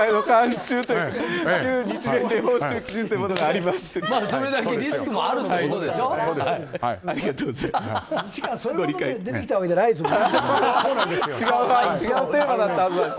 それのために出てきたわけじゃないですよね。